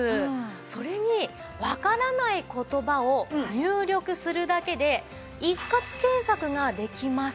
それにわからない言葉を入力するだけで一括検索ができます。